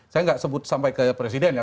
saya nggak sebut sampai ke presiden ya